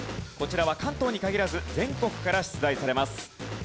こちらは関東に限らず全国から出題されます。